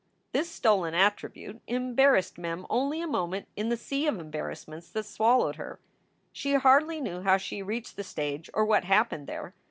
This stolen attribute embarrassed Mem only a moment in the sea of embarrassments that swallowed her. She hardly knew how she reached the stage or what happened there.